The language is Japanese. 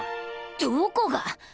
どこが！？